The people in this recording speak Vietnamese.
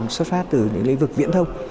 xuất phát từ lĩnh vực viễn thông